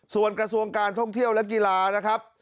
ส่วนกระทรวงการท่องเที่ยวและกีฬานะครับ